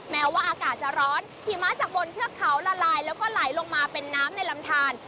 แม้ว่าอากาศจะร้อนหิมะจากบนเทือกเขาละลายแล้วก็ไหลลงมาเป็นน้ำในลำทาน